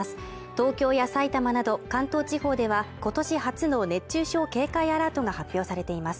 東京や埼玉など関東地方では今年初の熱中症警戒アラートが発表されています。